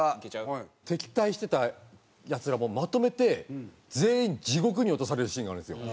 敵対してたヤツらもうまとめて全員地獄に落とされるシーンがあるんですよ。